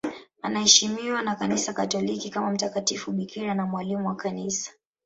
Anaheshimiwa na Kanisa Katoliki kama mtakatifu bikira na mwalimu wa Kanisa.